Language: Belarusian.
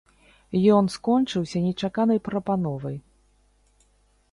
Ён скончыўся нечаканай прапановай.